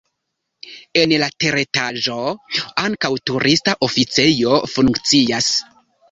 En la teretaĝo ankaŭ turista oficejo funkcias.